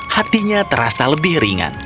hatinya terasa lebih ringan